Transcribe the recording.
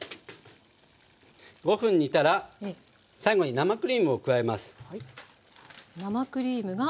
５分煮たら最後に生クリームを加えます。